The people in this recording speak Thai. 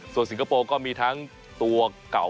ส่วนสิงคโปร์ก็มีทั้งตัวเก่า